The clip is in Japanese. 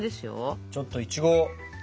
ちょっといちごを。